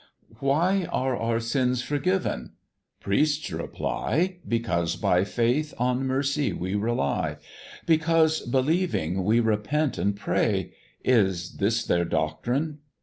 "Why are our sins forgiven? Priests reply, Because by Faith on Mercy we rely; 'Because, believing, we repent and pray.' Is this their doctrine?